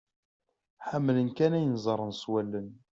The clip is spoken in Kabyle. Ḥemmlen kan ayen ẓẓaren s wallen.